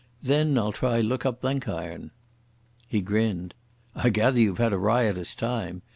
Then I'll look up Blenkiron." He grinned. "I gather you've had a riotous time.